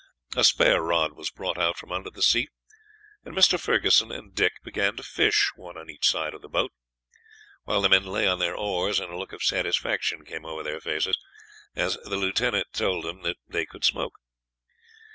A spare rod was brought out from under the seat, and Mr. Ferguson and Dick began to fish, one on each side of the boat, while the men lay on their oars, and a look of satisfaction came over their faces as the lieutenant told them that they could smoke.